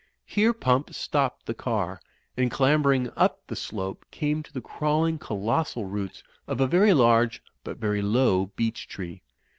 Here Pump stopped the car, and clambering up the slope, came to the crawling colossal roots of a very large but very low beech tree.